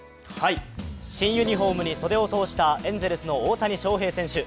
新ユニフォームに袖を通したエンゼルスの大谷翔平選手。